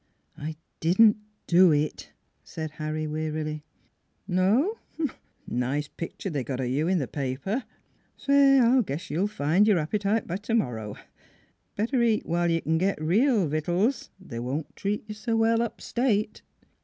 " I didn't do it," said Harry wearily. " No ?... Nice pictur' they got o' you in th' paper. ... Say, I guess you'll find your appetite b' t'morrow. Better eat while you c'n git real victuals : they won't treat you s' well up state."